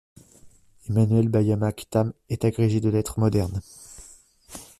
Emmanuelle Bayamack-Tam est agrégée de lettres modernes.